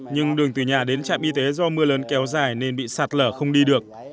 nhưng đường từ nhà đến trạm y tế do mưa lớn kéo dài nên bị sạt lở không đi được